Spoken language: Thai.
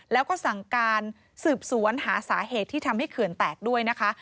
แล้วก็สั่งการสืบสวนหาสาเหตุที่ทำให้เขื่อนแตกด้วยนะคะ